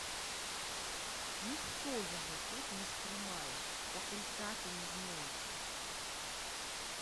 Ніхто яго тут не стрымае, пакуль таты не знойдзе.